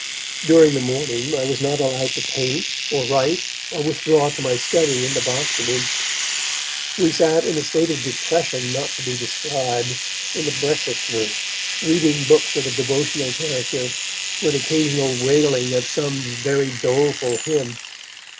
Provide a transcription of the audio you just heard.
During the morning, I was not allowed to paint, or write, or withdraw to my study in the box room. We sat, in a state of depression not to be described, in the breakfast room, reading books of a devotional character, with occasional wailing of some very doleful hymn.